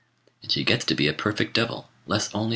And she gets to be a perfect devil, less only the horns.